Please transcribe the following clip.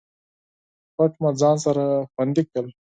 پټ مې ځان سره خوندي کړل